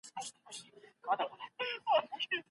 ارواپوهنه د دې ځواک د کارولو لاري ښیي.